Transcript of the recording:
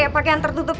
pake yang tertutup